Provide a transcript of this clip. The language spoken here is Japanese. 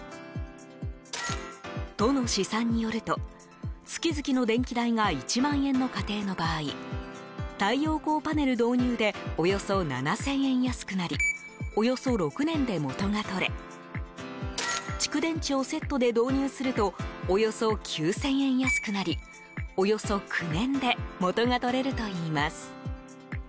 都の試算によると月々の電気代が１万円の家庭の場合太陽光パネル導入でおよそ７０００円安くなりおよそ６年で、もとが取れ蓄電池をセットで導入するとおよそ９０００円安くなりおよそ９年でもとが取れるといいます。